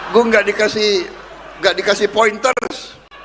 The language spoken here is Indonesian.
gue gak dikasih gak dikasih pointers